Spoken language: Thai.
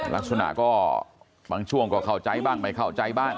ลักษณะก็บางช่วงก็เข้าใจบ้างไม่เข้าใจบ้าง